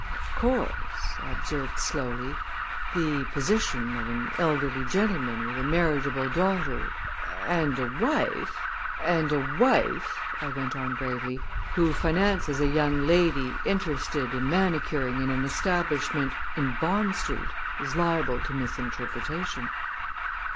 "Of course," I observed slowly, "the position of an elderly gentleman with a marriageable daughter and a wife," I went on bravely, "who finances a young lady interested in manicuring in an establishment in Bond Street is liable to misinterpretation."